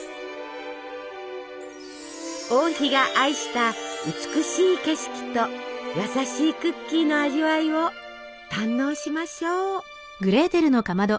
王妃が愛した美しい景色と優しいクッキーの味わいを堪能しましょう。